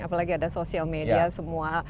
apalagi ada sosial media semua